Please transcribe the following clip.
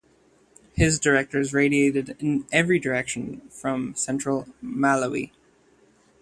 His hunters radiated in every direction from central Malawi.